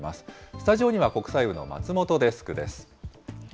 スタジオには国際部の松本デスクです。